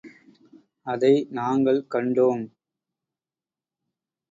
அதை நாங்கள் கண்டோம்.